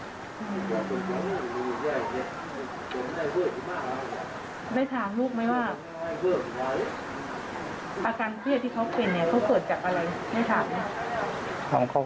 อืมก็คือทำใจได้